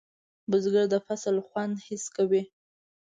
بزګر د فصل خوند حس کوي